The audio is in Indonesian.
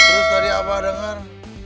hah terus tadi abang dengar